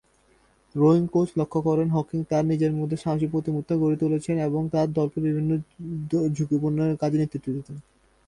Rowing coach লক্ষ্য করেন Hawking তার নিজের মধ্যে সাহসী প্রতিমূর্তি গড়ে তুলেছেন, এবং তার দলকে বিভিন্ন ঝুঁকিপূর্ণ কাজে নেতৃত্ব দিতেন।